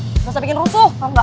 nggak usah bikin rusuh tau nggak